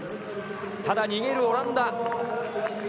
ただ、逃げるオランダ。